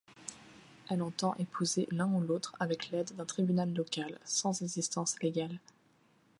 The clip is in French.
Elle entend épouser l'un ou l'autre avec l'aide d'un tribunal local sans existence légale.